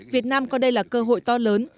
việt nam có đây là cơ hội to lớn